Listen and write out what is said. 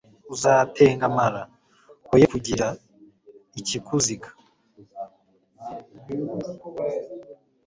uzatengamara, hoye kugira ikikuziga